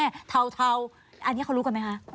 อันนี้เขารู้กันไหมคะ